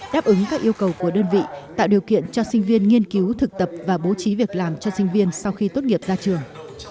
đáp ứng các yêu cầu của đơn vị tạo điều kiện cho sinh viên nghiên cứu thực tập và bố trí việc làm cho sinh viên sau khi tốt nghiệp ra trường